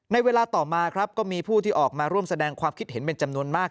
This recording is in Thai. ในเวลาต่อมาครับก็มีผู้ที่ออกมาร่วมแสดงความคิดเห็นเป็นจำนวนมาก